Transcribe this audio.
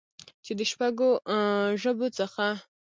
چې د شپږ ژبو څخه